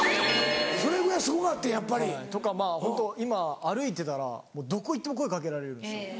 それぐらいすごかってんやっぱり。とかまぁホント今歩いてたらどこ行っても声掛けられるんですよ。